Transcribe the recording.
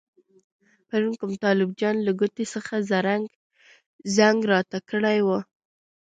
پرون کوم طالب جان له کوټې څخه زنګ راته کړی وو.